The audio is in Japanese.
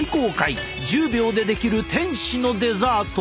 １０秒でできる天使のデザート。